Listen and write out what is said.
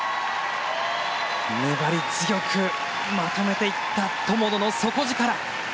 粘り強くまとめていった友野の底力。